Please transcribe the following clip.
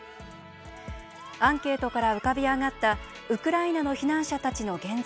アンケートから浮かび上がったウクライナの避難者たちの現在地。